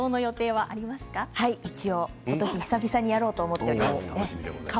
はい一応ことし久々にやろうと思っています。